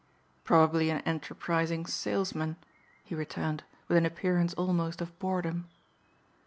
"Probably an enterprising salesman," he returned with an appearance almost of boredom.